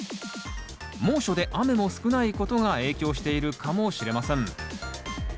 猛暑で雨も少ないことが影響しているかもしれません。